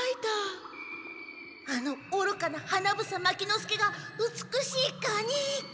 あのおろかな花房牧之介が美しいガに。